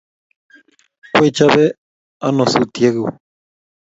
Kwechapee ano sutyek guuk?